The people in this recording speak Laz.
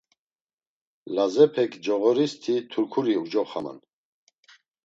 Lazepek coğoristi Turkuri ucoxaman.